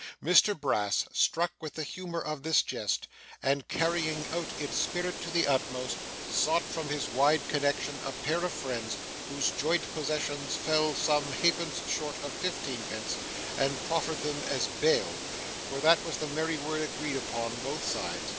Mr Brass, struck with the humour of this jest, and carrying out its spirit to the utmost, sought from his wide connection a pair of friends whose joint possessions fell some halfpence short of fifteen pence, and proffered them as bail for that was the merry word agreed upon both sides.